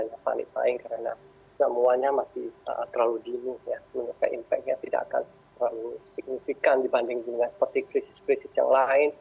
menurut saya impact nya tidak akan terlalu signifikan dibanding juga seperti krisis krisis yang lain